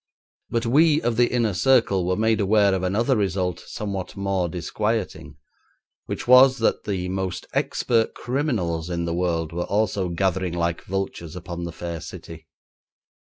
But we of the inner circle were made aware of another result somewhat more disquieting, which was that the most expert criminals in the world were also gathering like vultures upon the fair city.